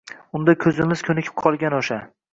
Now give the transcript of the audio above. unda ko‘zimiz ko‘nikib qolgan o‘sha